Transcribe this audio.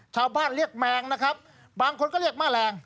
ชาวบ้านเรียกแมงนะครับบางคนก็เรียกแม่แรง